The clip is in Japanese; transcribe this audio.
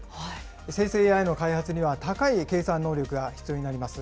生成ＡＩの開発には高い計算能力が必要になります。